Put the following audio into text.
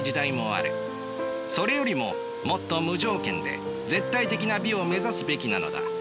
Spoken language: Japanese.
それよりももっと無条件で絶対的な美を目指すべきなのだ。